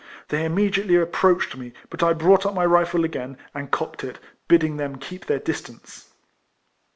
They immediately ap proaclied me; ])iit I brought up my rifle again, and cocked it, bidding tliem keep their distance.